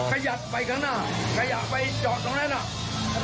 ขยับไปข้างหน้าขยะไปจอดตรงนั้นน่ะ